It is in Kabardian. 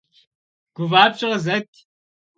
ГуфӀапщӀэ къызэт!